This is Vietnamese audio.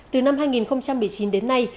từ năm hai nghìn một mươi chín đến nay